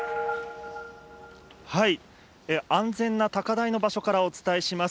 安全な高台の場所からお伝えします。